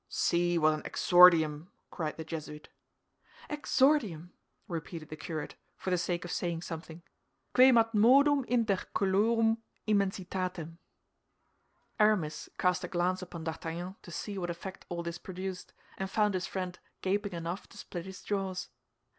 "See what an exordium!" cried the Jesuit. "Exordium," repeated the curate, for the sake of saying something. "Quemadmodum inter cœlorum immensitatem." Aramis cast a glance upon D'Artagnan to see what effect all this produced, and found his friend gaping enough to split his jaws.